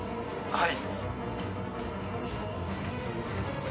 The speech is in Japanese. はい。